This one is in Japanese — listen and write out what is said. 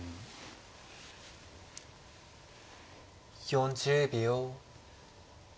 ４０秒。